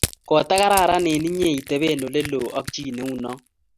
kotakaran eng inyee itebe oleloo ak chii neu noo